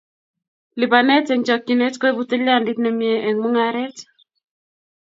Lipanet eng chokchinet koibu tilyandit ne mie eng mungaret